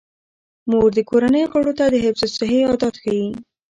مور د کورنۍ غړو ته د حفظ الصحې عادات ښيي.